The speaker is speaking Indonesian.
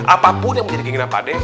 apapun yang menjadi keinginan pak des